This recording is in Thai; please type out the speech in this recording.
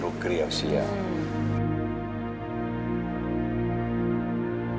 ร้องได้ให้ร้อง